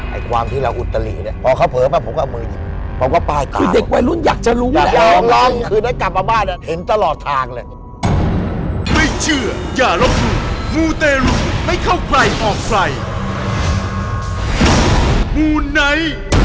ไอ้กวางที่เราอุดตรีนี่